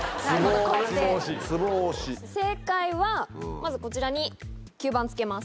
正解はまずこちらに吸盤付けます。